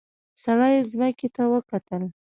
سړي ځمکې ته وکتل.